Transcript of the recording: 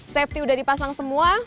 safety udah dipasang semua